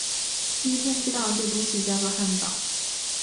第一天知道这东西叫作汉堡